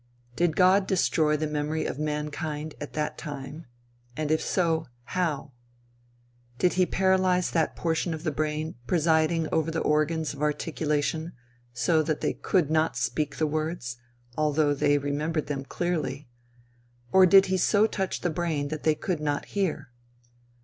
Did God destroy the memory of mankind at that time, and if so, how? Did he paralyze that portion of the brain presiding over the organs of articulation, so that they could not speak the words, although they remembered them clearly, or did he so touch the brain that they could not hear?